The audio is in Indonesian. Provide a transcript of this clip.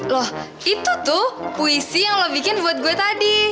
loh itu tuh puisi yang lo bikin buat gue tadi